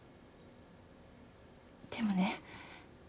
でもね